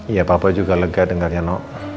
iya papa juga lega dengarnya nak